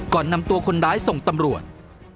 ก่อนนำตัวคนร้ายส่งตำรวจ